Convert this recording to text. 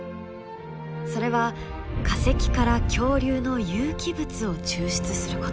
それは化石から恐竜の有機物を抽出すること。